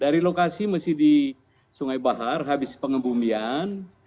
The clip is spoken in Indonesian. dari lokasi masih di sungai bahar habis pengebumian